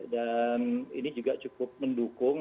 dan ini juga cukup mendukung